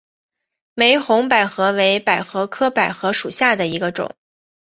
玫红百合为百合科百合属下的一个种。